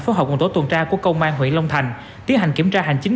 phối hợp cùng tổ tuần tra của công an huyện long thành tiến hành kiểm tra hành chính